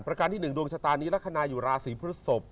ประการที่หนึ่งดวงชะตานีรักษานายุหราศรีพฤศสม